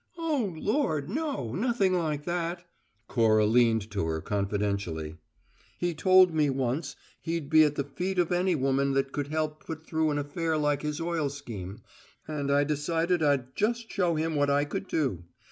"Oh, Lord, no! Nothing like that." Cora leaned to her confidentially. "He told me, once, he'd be at the feet of any woman that could help put through an affair like his oil scheme, and I decided I'd just show him what I could do.